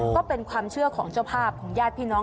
ก็เป็นความเชื่อของเจ้าภาพของญาติพี่น้อง